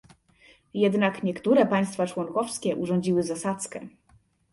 Jednak niektóre państwa członkowskie urządziły zasadzkę